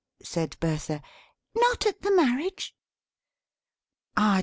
said Bertha. "Not at the marriage!"